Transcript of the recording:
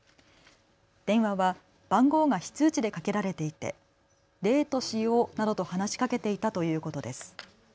電話は番号が非通知でかけられていてデートしようなどと話しかけていたということです。